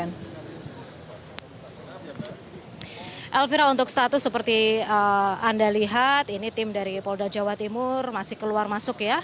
elvira untuk status seperti anda lihat ini tim dari polda jawa timur masih keluar masuk ya